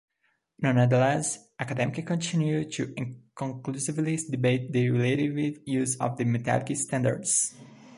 Nonetheless, academics continue to inconclusively debate the relative use of the metallic standards.